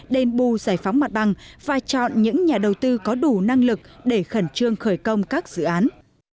đền bù giải phóng mặt bằng và chọn những nhà đầu tư có đủ năng lực để khẩn trương khởi công các dự án